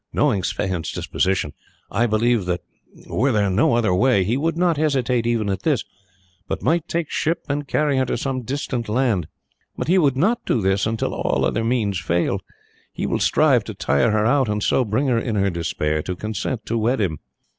Knowing Sweyn's disposition, I believe that were there no other way, he would not hesitate even at this, but might take ship and carry her to some distant land; but he would not do this until all other means fail. He will strive to tire her out, and so bring her in her despair to consent to wed him."